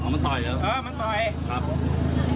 อ๋อมันต่อยแล้วครับใช่แล้วคือต่อย